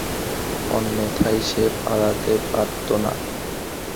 অন্যথায় সে পালাতে পারত না।